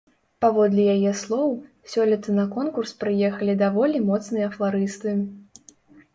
Паводле яе слоў, сёлета на конкурс прыехалі даволі моцныя фларысты.